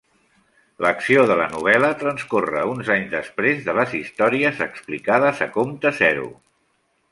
L'acció de la novel·la transcorre uns anys després de les històries explicades a Comte Zero.